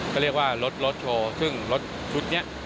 ก็เรียกว่ารถโชว์ซึ่งรถชุดนี้